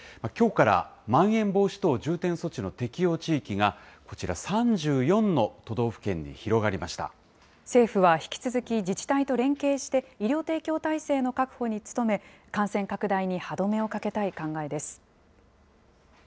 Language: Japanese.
きょうからまん延防止等重点措置の適用地域が、こちら、３４の都政府は引き続き自治体と連携して、医療提供体制の確保に努め、感染拡大に歯止めをかけたい考えです。